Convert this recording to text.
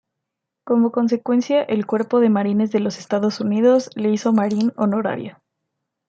Como consecuencia, el Cuerpo de Marines de los Estados Unidos le hizo Marine honorario.